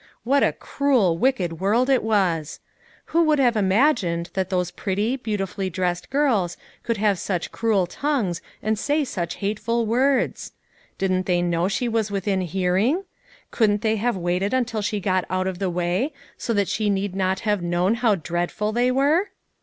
What a cruel, wicked world it was ! Who could have imagined that those pretty, beautifully dressed girls could have such cruel tongues, and say such hateful words! Didn't they know she was within hearing? Couldn't they have waited until she got out of the way, so that she need not have known how dreadful they were